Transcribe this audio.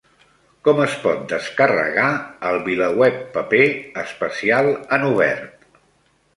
Com es pot descarregar el VilaWeb Paper especial en obert?